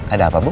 ada apa bu